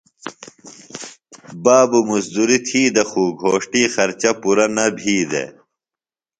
بابو مُزدُریۡ تھی دےۡ خُو گھوݜٹی خرچہ پُرہ نہ بھی دےۡ۔